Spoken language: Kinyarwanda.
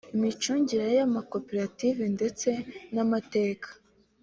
imicungire y’amakoperative ndetse n’amateka